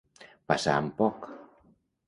Passar amb poc.